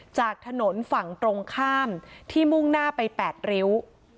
จากถนนฝั่งตรงข้ามที่มุ่งหน้าไป๘ริ้ว